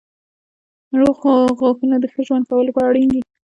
روغ غاښونه د ښه ژوند کولو لپاره اړین دي.